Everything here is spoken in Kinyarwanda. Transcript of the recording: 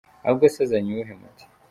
Ahubwo se azanye uwuhe muti ?